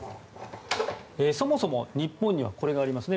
そもそも日本にはこれがありますね。